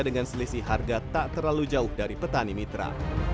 dengan selisih harga tak terlalu jauh dari petani mitra